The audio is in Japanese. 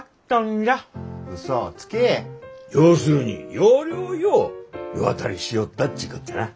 要するに要領よう世渡りしょうったっちゅうことじゃな。